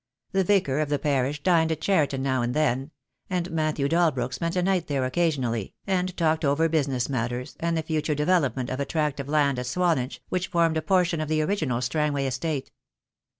The Vicar of the parish dined at Cheriton now and then, and Matthew Dalbrook spent a night there occasionally, and talked over business matters, and the future development of a tract of land at Swanage, which formed a portion of the original Strangway estate.